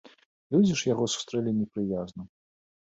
Людзі ж яго сустрэлі непрыязна.